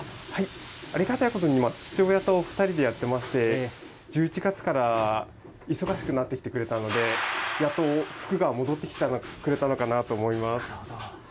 ありがたいことに、父親と２人でやってまして、１１月からは忙しくなってきてくれたので、やっと福が戻ってきてくれたのかななるほど。